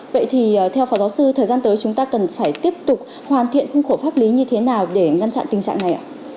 vậy thì theo phó giáo sư thời gian tới chúng ta cần phải tiếp tục hoàn thiện khung khổ pháp lý như thế nào để ngăn chặn tình trạng này ạ